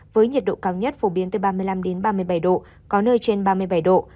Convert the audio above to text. với nhiệt độ cao nhất phổ biến từ ba mươi năm ba mươi bảy độ có nơi trên ba mươi bảy độ